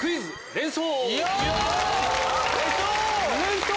連想！